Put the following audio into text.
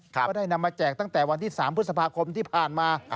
ก็ได้นำมาแจกตั้งแต่วันที่๓พฤษภาคมที่ผ่านมา